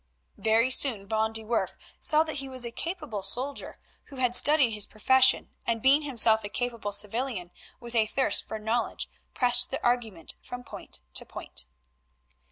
Very soon Van de Werff saw that he was a capable soldier who had studied his profession, and being himself a capable civilian with a thirst for knowledge pressed the argument from point to point.